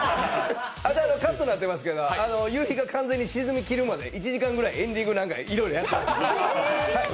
あとカットになってますけと夕日が完全に沈むまで１時間ぐらいエンディング、いろいろやってました。